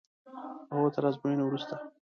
هو تر ازموینې وروسته.